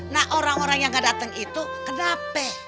nah orang orang yang gak datang itu kenapa